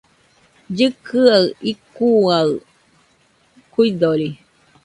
Llɨkɨaɨ icuaɨ kuidori